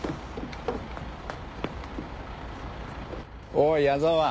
おい矢沢